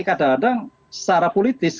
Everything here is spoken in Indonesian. kadang kadang secara politis